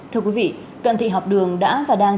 thưa quý vị cận thị học đường đã và đang